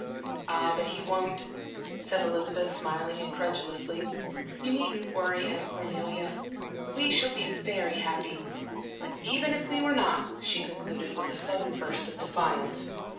"Ah, but he won't," said Elizabeth, smiling incredulously. "You needn't worry, Aunt Cornelia; we shall be very happy. But even if we were not," she concluded, with a sudden burst of defiance.